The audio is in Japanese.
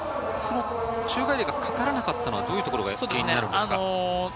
宙返りがかからなかったのはどういったところが気になるんですか？